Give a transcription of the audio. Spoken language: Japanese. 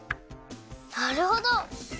なるほど！